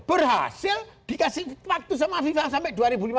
berhasil dikasih waktu sama fifa sampai dua ribu lima belas